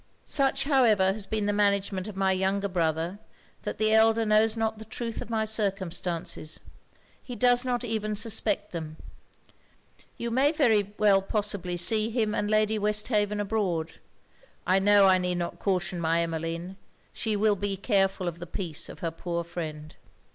Such, however, has been the management of my younger brother, that the elder knows not the truth of my circumstances he does not even suspect them. You may very possibly see him and Lady Westhaven abroad. I know I need not caution my Emmeline she will be careful of the peace of her poor friend.'